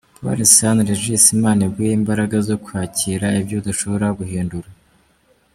pole sana Regis Imana iguhe imbaraga zo kwakira ibyo udashobora guhindura.